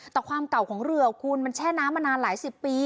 แต่ความเก่าของเรือคุณมันแช่น้ำมานานหลายสิบปี